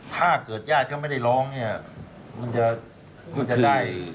ถ้าเกิดญาติเขาไม่ได้ร้องเนี่ย